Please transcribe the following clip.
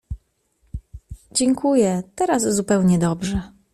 — Dziękuję, teraz zupełnie dobrze.